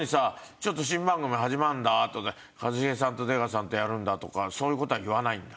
ちょっと新番組始まるんだとか一茂さんと出川さんとやるんだとかそういう事は言わないんだ？